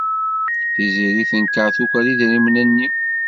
Tiziri tenkeṛ tuker idrimen-nni.